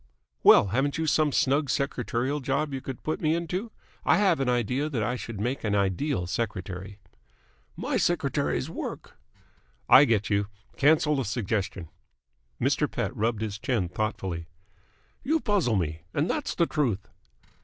"Well, haven't you some snug secretarial job you could put me into? I have an idea that I should make an ideal secretary." "My secretaries work." "I get you. Cancel the suggestion." Mr. Pett rubbed his chin thoughtfully. "You puzzle me. And that's the truth."